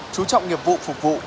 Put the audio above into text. chú trọng nghiệp vụ phục vụ